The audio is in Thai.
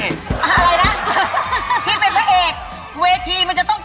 จะทำงว่าพี่เป็นพระเอก